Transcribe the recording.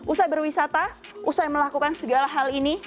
usai berwisata usai melakukan segala hal ini